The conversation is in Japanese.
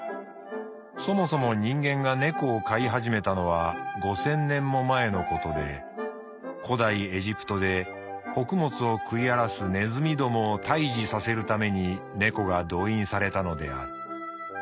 そもそも人間がネコを飼い始めたのは五千年もまえのことで古代エジプトで穀物を食い荒らすネズミどもを退治させるために猫が動員されたのである。